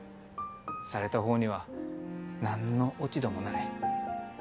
されたほうにはなんの落ち度もない。